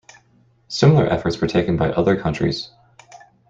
Similar efforts were taken by other countries.